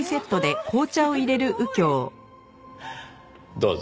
どうぞ。